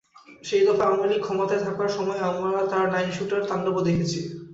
সেই দফায় আওয়ামী লীগ ক্ষমতায় থাকার সময়েই আমরা তাঁর নাইনশ্যুটার তাণ্ডবও দেখেছি।